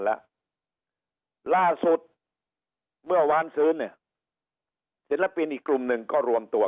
แล้วล่าสุดเมื่อวานซื้อเนี่ยศิลปินอีกกลุ่มหนึ่งก็รวมตัว